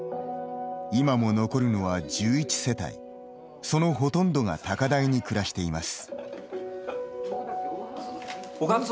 今も残るのは１１世帯そのほとんどが高台に暮らしています。